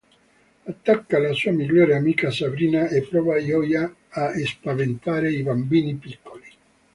Attacca la sua migliore amica Sabrina e prova gioia a spaventare i bambini piccoli.